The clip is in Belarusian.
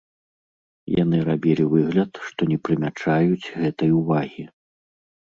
Яны рабілі выгляд, што не прымячаюць гэтай увагі.